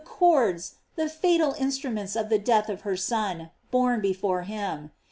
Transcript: cords, the fatal instruments of the death of her Son borne before him!